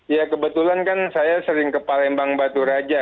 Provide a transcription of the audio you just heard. ya kebetulan kan saya sering ke palembang baturaja